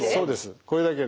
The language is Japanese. これだけで？